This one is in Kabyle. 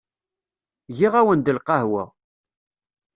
Giɣ-awen-d lqahwa.